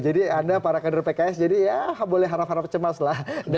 jadi anda para kandor pks ya boleh harap harap cemas lah